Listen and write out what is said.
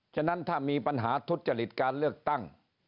ฉะนั้นถ้ามีปัญหาทุจริตการเลือกตั้ง